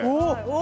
お。